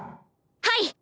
はい！